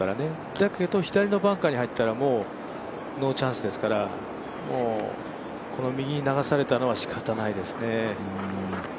だけど左のバンカーに入ったら、もうノーチャンスですから、この右に流されたのはしかたないですね。